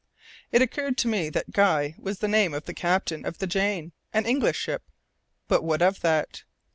It occurred to me then that Guy was the name of the captain of the Jane, an English ship; but what of that?